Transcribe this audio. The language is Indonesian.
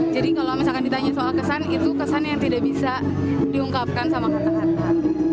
jadi kalau misalkan ditanya soal kesan itu kesan yang tidak bisa diungkapkan sama kata kata